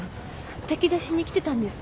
炊き出しに来てたんですか？